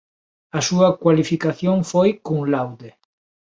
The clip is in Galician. A súa cualificación foi cum laude.